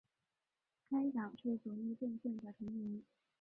该党是左翼阵线的成员。